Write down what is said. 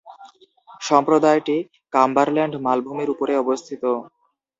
সম্প্রদায়টি Cumberland মালভূমির উপরে অবস্থিত।